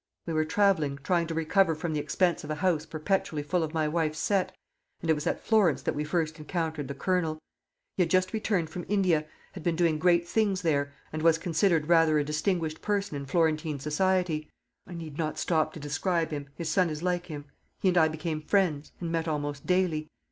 We were travelling, trying to recover from the expenses of a house perpetually full of my wife's set; and it was at Florence that we first encountered the Colonel. He had just returned from India, had been doing great things there, and was considered rather a distinguished person in Florentine society. I need not stop to describe him. His son is like him. He and I became friends, and met almost daily.